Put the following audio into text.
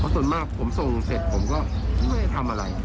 ส่วนมากผมส่งเสร็จผมก็ไม่ได้ทำอะไร